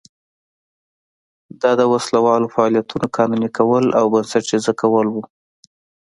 دا د وسله والو فعالیتونو قانوني کول او بنسټیزه کول و.